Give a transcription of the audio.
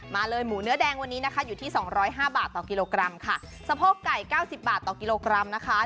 มาเลยหมูเนื้อแดงวันนี้นะคะอยู่ที่สองร้อยห้าบาทต่อกิโลกรัมค่ะสะโพกไก่เก้าสิบบาทต่อกิโลกรัมนะคะ